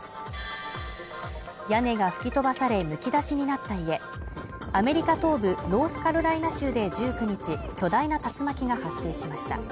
屋根が吹き飛ばされむき出しになった家アメリカ東部ノースカロライナ州で１９日、巨大な竜巻が発生しました。